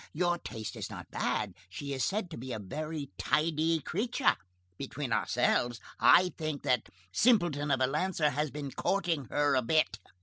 Your taste is not bad. She is said to be a very tidy creature. Between ourselves, I think that simpleton of a lancer has been courting her a bit.